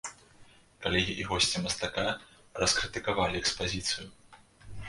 Калегі і госці мастака раскрытыкавалі экспазіцыю.